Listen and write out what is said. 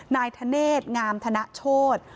นายทะเนธงามทะนะโชฎ